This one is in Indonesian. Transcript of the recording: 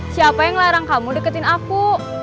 siapa yang larang kamu deketin aku